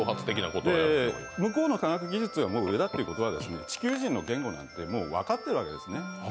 向こうの科学技術がもう上だということは、地球人の言語なんてもう分かっているわけですね。